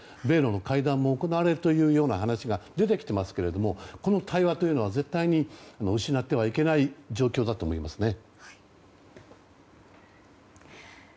米露の対談も行われるという話が出てきていますけどこの対話は絶対に失ってはいけない状況だと思います。